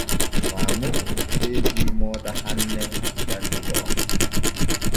Maamu teeti moota hanne janni go’o.